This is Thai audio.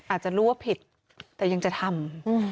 อาจจะรู้ว่าผิดแต่ยังจะทำ